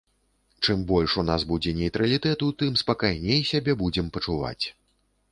Чым больш у нас будзе нейтралітэту, тым спакайней сябе будзем пачуваць.